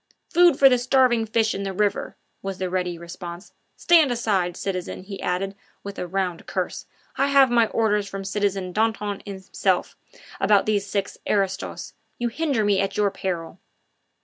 "Food for the starving fish in the river," was the ready response. "Stand aside, citizen," he added, with a round curse; "I have my orders from citizen Danton himself about these six aristos. You hinder me at your peril."